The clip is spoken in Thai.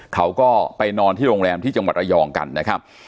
เขาก็ไปนอนที่โรงแรมที่จังหวัดระยองกันนะครับ